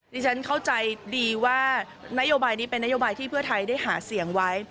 ดิฉันเข้าใจดีว่านโยบายนี้เป็นนโยบายที่เพื่อไทยได้หาเสียงไว้